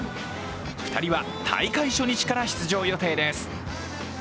２人は大会初日から出場予定です。